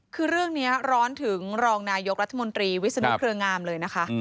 คือเรื่องนี้ร้อนถึงรองนายกรัฐมนตรีวิศนุเครืองามเลยนะคะ